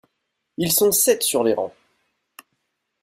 Ils sont sept sur les rangs.